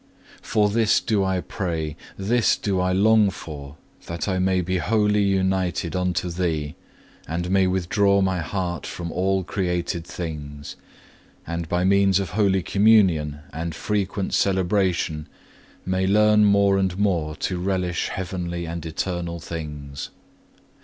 For this do I pray, this do I long for, that I may be wholly united unto Thee, and may withdraw my heart from all created things, and by means of Holy Communion and frequent celebration may learn more and more to relish heavenly and eternal things.